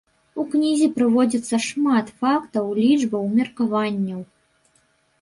У кнізе прыводзіцца шмат фактаў, лічбаў, меркаванняў.